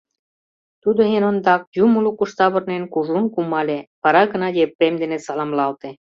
Тудо эн ондак, юмо лукыш савырнен, кужун кумале, вара гына Епрем дене саламлалте.